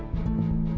ya udah jadi